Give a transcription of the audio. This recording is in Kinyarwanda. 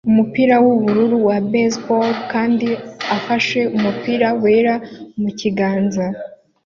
umupira wubururu wa baseball kandi afashe umupira wera mukiganza